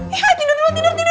ih tidur dulu tidur tidur